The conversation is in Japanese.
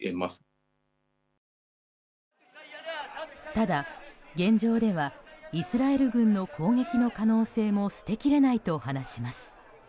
ただ、現状ではイスラエル軍の攻撃の可能性も捨てきれないと話します。